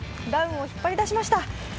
ダウンを引っ張り出しました。